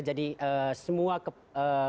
jadi semua kepentingan